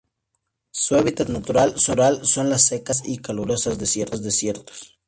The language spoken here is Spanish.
Su hábitat natural son las secas sabanas y calurosos desiertos.